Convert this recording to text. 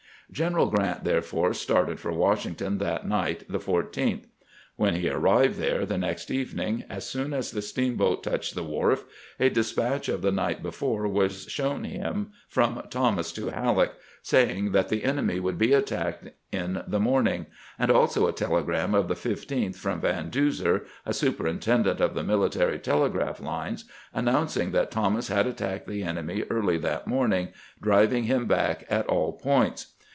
General Grant therefore started for Washington that night, the 14th. When he arrived there the next even ing, as soon as the steamboat touched the wharf a de spatch of the night before was shown him from Thomas to Halleck, saying that the enemy would be attacked in the morning ; and also a telegram of the 15th from Van Duzer, a superintendent of the military telegraph lines, announcing that Thomas had attacked the enemy early THOMAS CEUSHES HOOD 349 that morning, driving him back at all points.